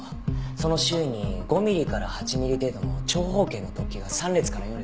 その周囲に５ミリから８ミリ程度の長方形の突起が３列から４列並んでいます。